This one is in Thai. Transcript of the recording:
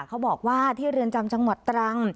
เขาบอกว่าที่เรือนจำจังหวัดตรัง